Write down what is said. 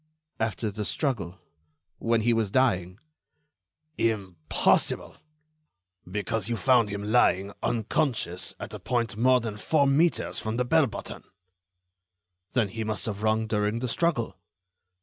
"After the struggle ... when he was dying." "Impossible; because you found him lying, unconscious, at a point more than four metres from the bell button." "Then he must have rung during the struggle."